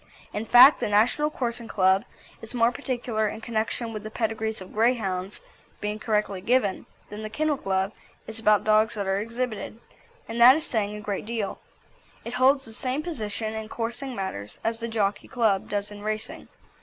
In fact, the National Coursing Club is more particular in connection with the pedigrees of Greyhounds being correctly given, than the Kennel Club is about dogs that are exhibited; and that is saying a great deal. It holds the same position in coursing matters as the Jockey Club does in racing.